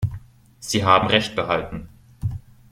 Sie haben Recht behalten.